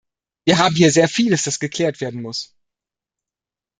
Wir haben hier sehr vieles, das geklärt werden muss.